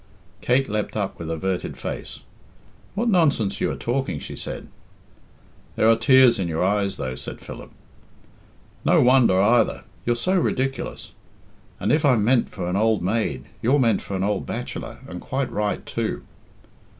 Kate leapt up with averted face. "What nonsense you are talking!" she said. "There are tears in your eyes, though," said Philip. "No wonder, either. You're so ridiculous. And if I'm meant for an old maid, you're meant for an old bachelor and quite right too!"